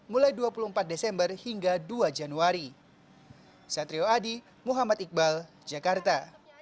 tiga mulai dua puluh empat desember hingga dua januari satrio adi muhammad iqbal jakarta